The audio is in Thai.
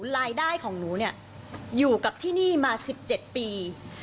รายได้ของหนูเนี่ยอยู่กับที่นี่มา๑๗ปี